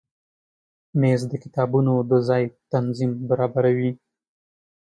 مېز د کتابونو د ځای تنظیم برابروي.